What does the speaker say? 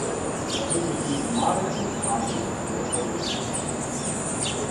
It received moderately positive critical response.